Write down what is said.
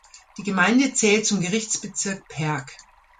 Die Gemeinde zählt zum Gerichtsbezirk Perg.